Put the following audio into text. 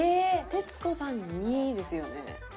「徹子さんに」ですよね？